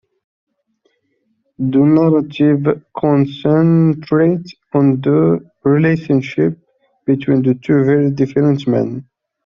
The narrative concentrates on the relationship between the two very different men.